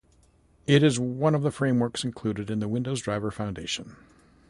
It is one of the frameworks included in the Windows Driver Foundation.